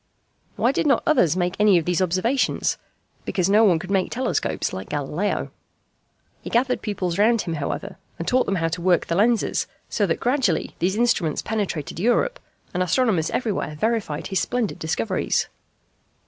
Why did not others make any of these observations? Because no one could make telescopes like Galileo. He gathered pupils round him however, and taught them how to work the lenses, so that gradually these instruments penetrated Europe, and astronomers everywhere verified his splendid discoveries.